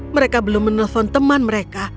mereka belum menelpon teman mereka